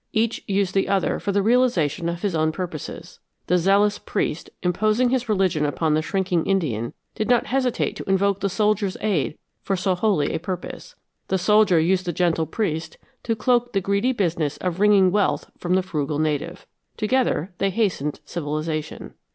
Each used the other for the realization of his own purposes. The zealous priest, imposing his religion upon the shrinking Indian, did not hesitate to invoke the soldier's aid for so holy a purpose; the soldier used the gentle priest to cloak the greedy business of wringing wealth from the frugal native. Together, they hastened civilization.